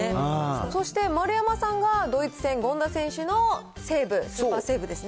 そして丸山さんがドイツ戦、権田選手のセーブ、スーパーセーブですね。